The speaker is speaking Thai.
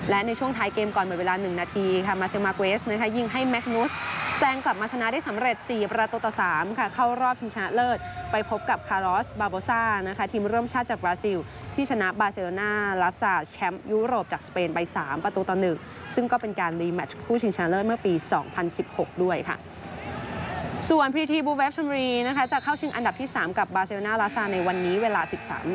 และในช่วงท้ายเกมก่อนหมดเวลา๑นาทีค่ะมาเซลมาเกรสนะคะยิงให้แมคนุสแซงกลับมาชนะได้สำเร็จสี่ประตูต่อสามค่ะเข้ารอบชิงชนะเลิศไปพบกับคารอสบาโบซ่านะคะทีมเริ่มชาติจากบราซิลที่ชนะบาเซโรน่าลาซาแชมป์ยุโรปจากสเปนไปสามประตูต่อหนึ่งซึ่งก็เป็นการรีแมชคู่ชิงชนะเลิศเมื่อปี๒๐๑๖ด้วยค่ะ